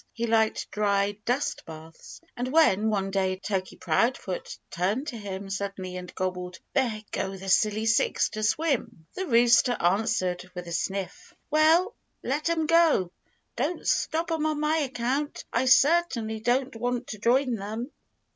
He liked dry dust baths. And when, one day, Turkey Proudfoot turned to him suddenly and gobbled, "There go the Silly Six to swim!" the rooster answered with a sniff, "Well, let 'em go! Don't stop 'em on my account. I certainly don't want to join them."